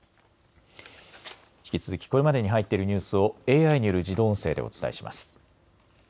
引き続きこれまでに入っているニュースをＡＩによる自動音声でお伝えします。